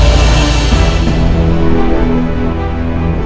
itu bosnya andin